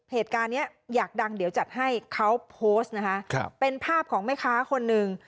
เหตุการณ์เนี้ยอยากดังเดี๋ยวจัดให้เขาโพสต์นะคะเป็นภาพของแม่ค้าคนหนึ่ง